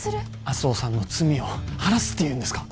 麻生さんの罪を晴らすっていうんですか？